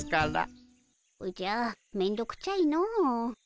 おじゃめんどくちゃいの。